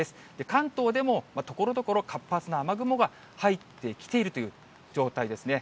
関東でもところどころ活発な雨雲が入ってきているという状態ですね。